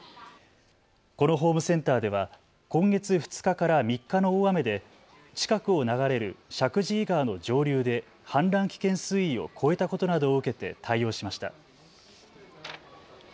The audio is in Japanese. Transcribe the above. このホームセンターでは今月２日から３日の大雨で近くを流れる石神井川の上流で氾濫危険水位を超えたことなどを受けて対応しました。